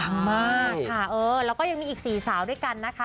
มากค่ะเออแล้วก็ยังมีอีก๔สาวด้วยกันนะคะ